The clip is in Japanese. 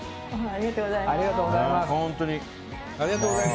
ありがとうございます。